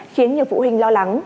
khiến nhiều phụ huynh lo lắng